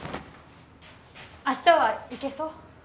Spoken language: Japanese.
明日は行けそう？